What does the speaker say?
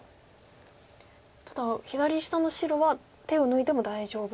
ただ左下の白は手を抜いても大丈夫なんですか。